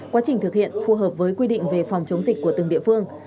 quá trình thực hiện phù hợp với quy định về phòng chống dịch của từng địa phương